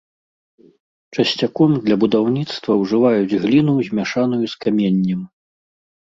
Часцяком для будаўніцтва ўжываюць гліну, змяшаную з каменнем.